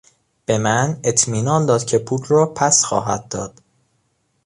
به من اطمینان داد که پول را پس خواهد داد.